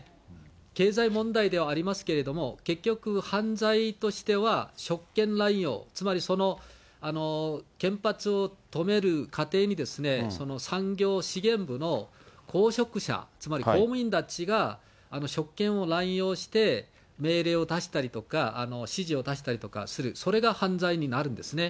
経済問題ではありますけれども、結局犯罪としては、職権乱用、つまり、原発を止める過程に、産業資源部の公職者、つまり公務員たちが職権を乱用して、命令を出したりとか、指示を出したりとかする、それが犯罪になるんですね。